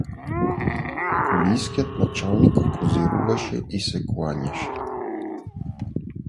Околийският началник козируваше и се кланяше.